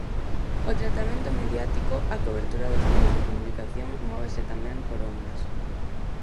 O tratamento mediático A cobertura dos medios de comunicación móvese tamén por ondas.